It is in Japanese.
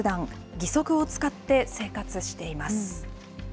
義足を使って生活しています。